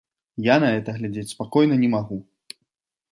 Я на гэта глядзець спакойна не магу.